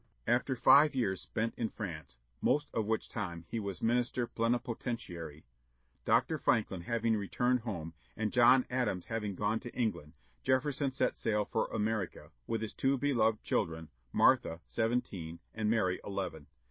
After five years spent in France, most of which time he was minister plenipotentiary, Dr. Franklin having returned home, and John Adams having gone to England, Jefferson set sail for America, with his two beloved children, Martha, seventeen, and Mary, eleven.